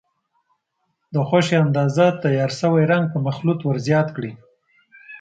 د خوښې اندازه تیار شوی رنګ په مخلوط ور زیات کړئ.